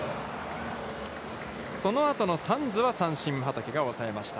その後のサンズは三振、畠が抑えました。